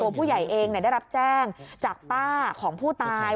ผู้ใหญ่เองได้รับแจ้งจากป้าของผู้ตาย